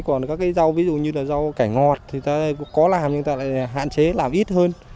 còn các cái rau ví dụ như là rau cải ngọt thì ta cũng có làm nhưng ta lại hạn chế làm ít hơn